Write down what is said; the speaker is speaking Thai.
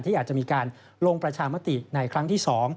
อาจจะมีการลงประชามติในครั้งที่๒